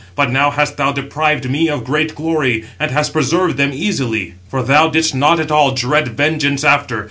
But now hast thou deprived me of great glory, and hast preserved them easily, for thou didst not at all dread vengeance after.